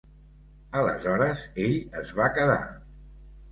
Aleshores ell es va quedar.